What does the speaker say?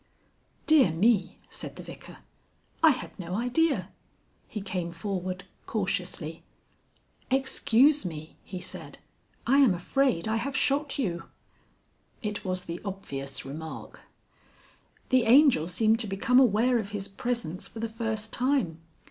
"Dear me!" said the Vicar. "I had no idea." He came forward cautiously. "Excuse me," he said, "I am afraid I have shot you." It was the obvious remark. The Angel seemed to become aware of his presence for the first time.